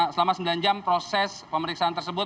selama sembilan jam proses pemeriksaan tersebut